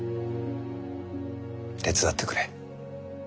手伝ってくれ。